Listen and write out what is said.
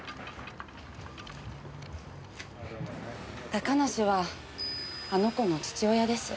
高梨はあの子の父親です。